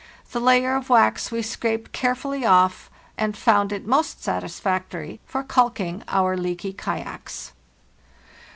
The layer of wax we scraped carefully off and found it most satisfactory for calking our leaky kayaks.